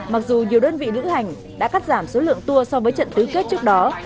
mặc dù nhiều đơn vị lữ hành đã cắt giảm số lượng tour so với trận tứ kết trước đó